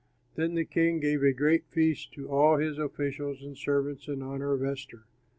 Then the king gave a great feast to all his officials and servants in honor of Esther.